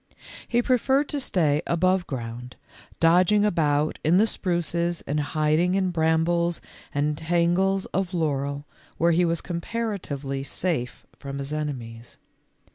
He preferred to stay above ground, dodging about in the spruces and hid ing in brambles and tangles of laurel where he was comparatively safe from his enemies.